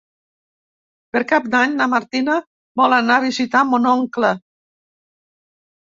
Per Cap d'Any na Martina vol anar a visitar mon oncle.